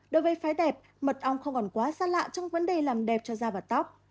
đối với phái đẹp mật ong không còn quá xa lạ trong vấn đề làm đẹp cho da và tóc